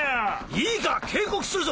いいか警告するぞ！